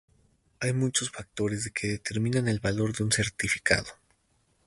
Hay muchos factores que determinan el valor de un certificado.